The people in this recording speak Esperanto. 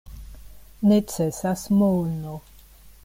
Necesas mono.